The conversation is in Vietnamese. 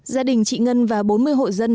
gia đình chị ngân và bốn mươi hội dân